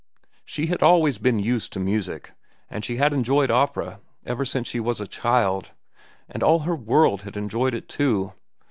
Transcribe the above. She had always been used to music, and she had enjoyed opera ever since she was a child, and all her world had enjoyed it, too.